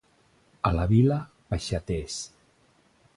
A la Vila, peixaters.